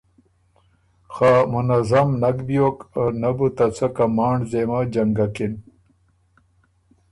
خه منظم نک بیوک، نۀ بُو ته څه کمانډ ځېمه جنګکِن،